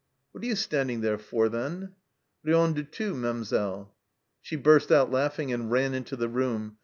" What are you standing there for, then T " Rien du tout, Mamselle." She burst out laughing and ran into the room.